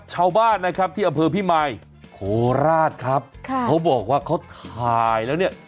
ชาวบ้านนะครับที่อำเภอพิมายโคราชครับค่ะเขาบอกว่าเขาถ่ายแล้วเนี่ย